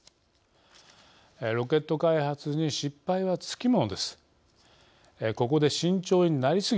ロケット開発に失敗はつきものです。